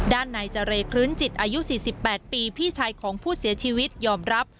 ด้านในเจรคลื้นจิตอายุ๔๘ปีพี่ชายของผู้เสียชีวิตยอมรับ